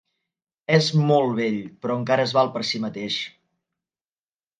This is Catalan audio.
És molt vell, però encara es val per si mateix.